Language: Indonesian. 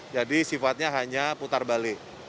jadi sifatnya hanya putar balik